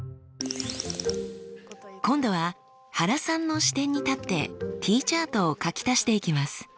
今度は原さんの視点に立ってＴチャートを書き足していきます。